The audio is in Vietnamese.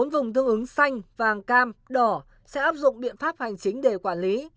bốn vùng thương ứng xanh vàng cam đỏ sẽ áp dụng biện pháp hành chính để quản lý